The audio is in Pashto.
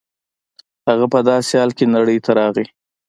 هغه په داسې حال کې نړۍ ته راغی.